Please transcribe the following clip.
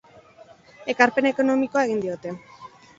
Ekarpen ekonomikoa egin diote.